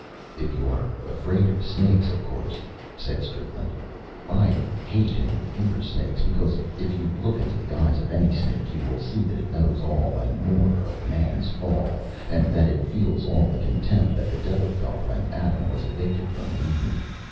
"If you are afraid of snakes, of course" said Strickland. "I hate and fear snakes, because if you look into the eyes of any snake you will see that it knows all and more of man's fall, and that it feels all the contempt that the devil felt when Adam was evicted from Eden.